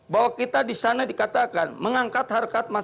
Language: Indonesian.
bahwa kita di sana dikatakan mengangkat harga masyarakat bawah